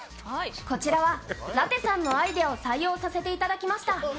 こちらは、らてさんのアイデアを採用させていただきました。